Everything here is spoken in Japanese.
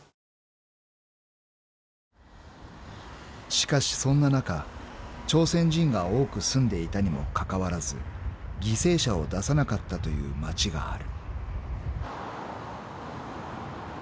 ［しかしそんな中朝鮮人が多く住んでいたにもかかわらず犠牲者を出さなかったという町がある］